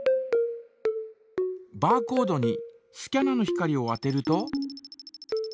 バーコードにスキャナの光を当てると。